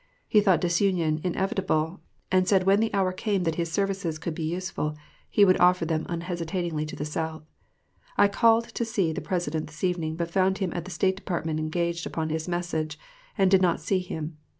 He thought disunion inevitable, and said when the hour came that his services could be useful, he would offer them unhesitatingly to the South. I called to see the President this evening, but found him at the State Department engaged upon his message, and did not see him.